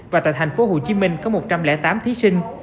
và tại thành phố hồ chí minh có một trăm linh tám thí sinh